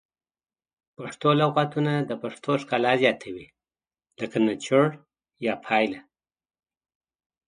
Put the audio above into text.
پښتو لغتونه د پښتو ښکلا زیاتوي لکه نچوړ یا پایله